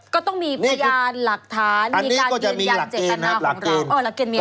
ก็ต้องมีพญานหลักฐานมีการยืนอย่างเจ็ดกาลหน้าของเรา